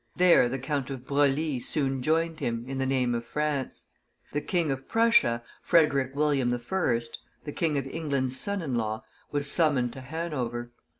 There the Count of Broglie soon joined him, in the name of France. The King of Prussia, Frederick William I., the King of England's son in law, was summoned to Hanover.